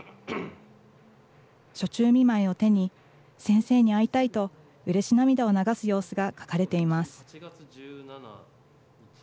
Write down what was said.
暑中見舞いを手に、先生に会いたいとうれし涙を流す様子が書かれています。